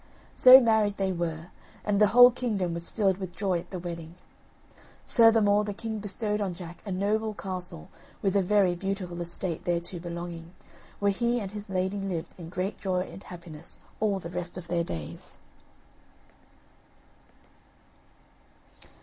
So married they were, and the whole kingdom was filled with joy at the wedding. Furthermore, the king bestowed on Jack a noble castle, with a very beautiful estate thereto belonging, where he and his lady lived in great joy and happiness all the rest of their days.